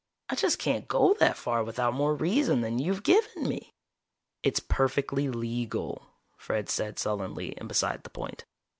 I just can't go that far without more reason than you've given me." "It's perfectly legal," Fred said sullenly and beside the point.